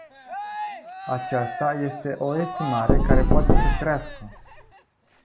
Aceasta este o estimare care poate să crească.